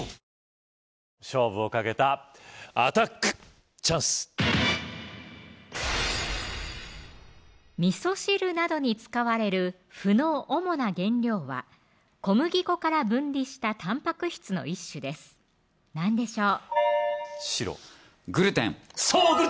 グルテンよしみそ汁などに使われる麩の主な原料は小麦粉から分離したたんぱく質の一種です何でしょう